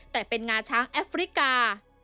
แต่เป็นงาช้างแอฟริกา